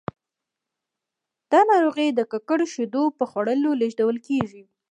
دا ناروغي د ککړو شیدو په خوړلو لیږدول کېږي.